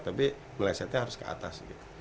tapi melesetnya harus ke atas gitu